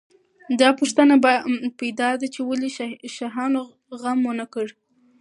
دا پوښتنه پیدا ده چې ولې شاهانو غم ونه کړ.